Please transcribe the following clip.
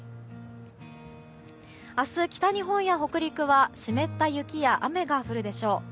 明日、北日本や北陸は湿った雪や雨が降るでしょう。